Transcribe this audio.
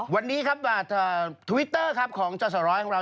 วันนี้ครับทวิตเตอร์ครับของจสร้อยของเรา